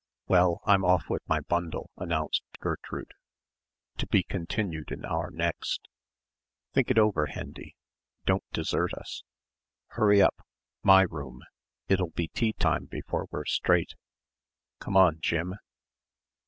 "Well I'm off with my bundle," announced Gertrude. "To be continued in our next. Think it over, Hendy. Don't desert us. Hurry up, my room. It'll be tea time before we're straight. Come on, Jim."